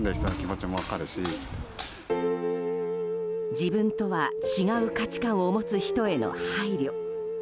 自分とは違う価値観を持つ人への配慮。